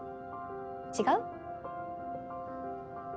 違う？